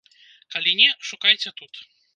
Калі не, шукайце тут!